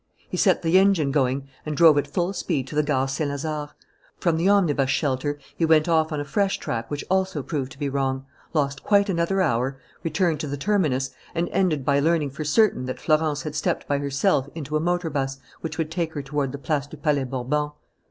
He set the engine going and drove at full speed to the Gare Saint Lazare, From the omnibus shelter he went off on a fresh track which also proved to be wrong, lost quite another hour, returned to the terminus, and ended by learning for certain that Florence had stepped by herself into a motor bus which would take her toward the Place du Palais Bourbon.